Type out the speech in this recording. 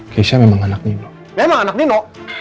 keisha memang anak nino memang anak nino